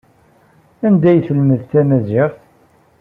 Anda ay telmed tamaziɣt?